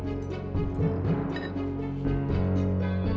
saat ini wawasik ternyata sudah mukannya